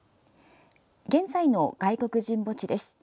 現在の外国人墓地です。